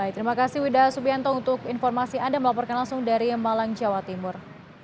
terima kasih wida subianto untuk informasi anda melaporkan langsung dari malang jawa timur